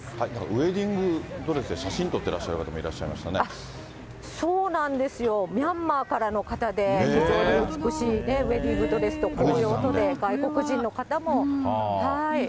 ウエディングドレスで写真撮ってらっしゃる方もいらっしゃいそうなんですよ、ミャンマーからの方で、非常に美しいウエディングドレスと紅葉とで、外国人の方も。